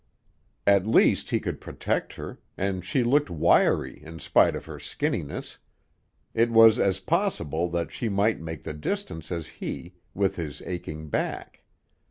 At least, he could protect her, and she looked wiry in spite of her skinniness; it was as possible that she might make the distance as he, with his aching back.